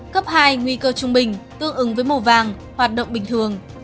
cấp hai nguy cơ trung bình tương ứng với màu vàng hoạt động bình thường